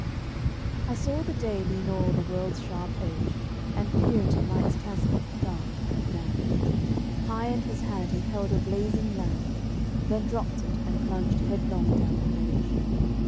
I saw the day lean o'er the world's sharp edge And peer into night's chasm, dark and damp; High in his hand he held a blazing lamp, Then dropped it and plunged headlong down the ledge.